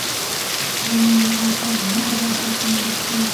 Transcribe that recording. غرونه د افغانستان په هره برخه کې موندل کېږي.